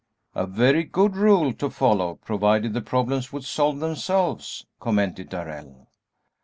"A very good rule to follow, provided the problems would solve themselves," commented Darrell.